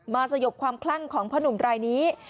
สยบความคลั่งของพ่อหนุ่มรายนี้